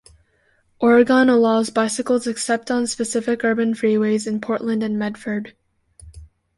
Oregon allows bicycles except on specific urban freeways in Portland and Medford.